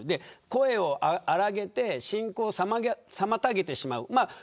声を荒げて進行を妨げてしまう。